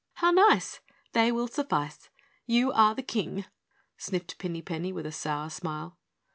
"How nice they will suffice. You are the King," sniffed Pinny Penny with a sour smile.